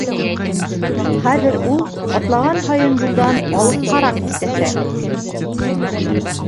Хәҙер ул атлаған һайын юлдан алыҫҡараҡ китәсәк...